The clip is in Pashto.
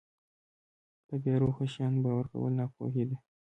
په بې روحه شیانو باور کول ناپوهي ده.